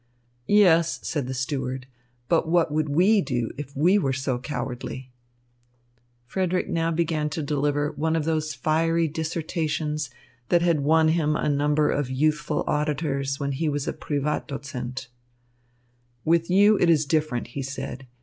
"Yes," said the steward, "but what would we do if we were so cowardly?" Frederick now began to deliver one of those fiery dissertations that had won him a number of youthful auditors when he was a Privatdozent. "With you it is different," he said.